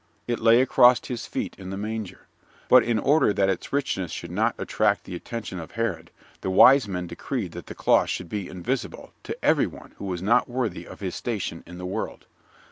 It lay across his feet in the manger. But in order that its richness should not attract the attention of Herod, the wise men decreed that the cloth should be invisible to every one who was not worthy of his station in the world.